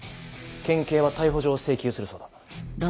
県警は逮捕状を請求するそうだ。